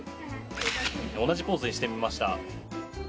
同じポーズにしてみました。